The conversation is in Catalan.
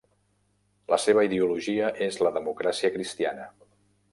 La seva ideologia és la democràcia cristiana.